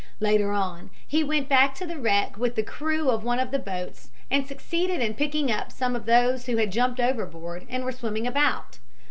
Later on he went back to the wreck with the crew of one of the boats and succeeded in picking up some of those who had jumped overboard and were swimming about.